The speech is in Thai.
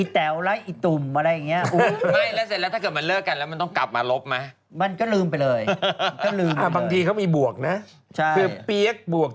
ติ๋มมาแล้วอะไรอย่างนี้